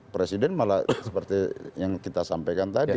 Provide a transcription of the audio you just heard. presiden malah seperti yang kita sampaikan tadi